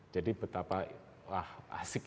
jadi betapa asik ya